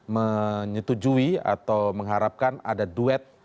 menyetujui atau mengharapkan ada duet